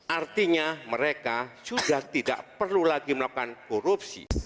artinya mereka sudah tidak perlu lagi melakukan korupsi